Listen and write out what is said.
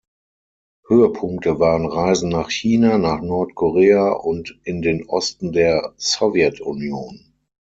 Höhepunkte waren Reisen nach China, nach Nordkorea und in den Osten der Sowjetunion.